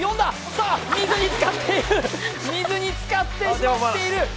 さあ水につかっている、つかって走っている。